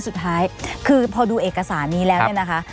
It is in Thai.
สุดท้ายคือพอดูเอกสารนี้แล้วเนี่ยนะคะ